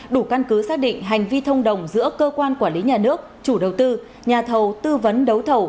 đủ căn cứ xác định hành vi thông đồng giữa cơ quan quản lý nhà nước chủ đầu tư nhà thầu tư vấn đấu thầu